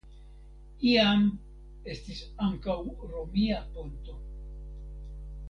Iam estis ankaŭ romia ponto.